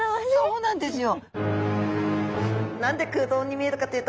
そうなんですよ。